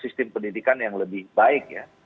sistem pendidikan yang lebih baik ya